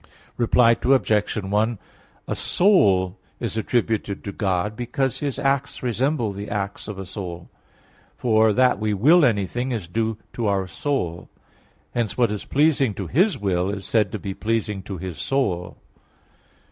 Reply Obj. 1: A soul is attributed to God because His acts resemble the acts of a soul; for, that we will anything, is due to our soul. Hence what is pleasing to His will is said to be pleasing to His soul.